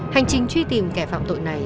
hành trình truy tìm kẻ phạm tội này